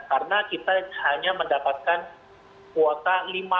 karena kita hanya mendapatkan kuota lima puluh